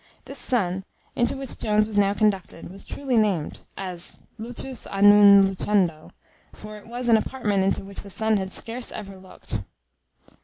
This Sun, into which Jones was now conducted, was truly named, as lucus a non lucendo; for it was an apartment into which the sun had scarce ever looked.